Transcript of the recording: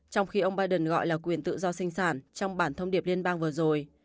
trong khi ông biden gọi là quyền tự do sinh sản trong bản thông điệp liên bang vừa rồi